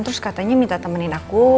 terus katanya minta temenin aku